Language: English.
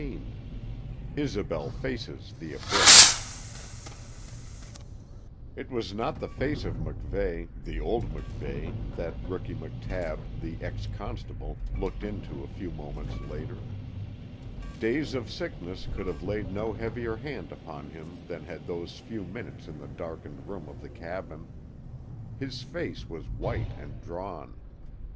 XVII ISOBEL FACES THE ABYSS It was not the face of MacVeigh the old MacVeigh that Rookie McTabb, the ex constable, looked into a few moments later. Days of sickness could have laid no heavier hand upon him than had those few minutes in the darkened room of the cabin. His face was white and drawn.